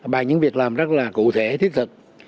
bằng những việc làm rất là cụ thể thiết thực